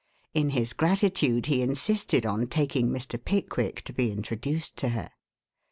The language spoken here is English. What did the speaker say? In his gratitude, he insisted on taking Mr. Pickwick to be introduced to her.